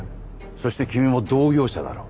そして君も同業者だろ。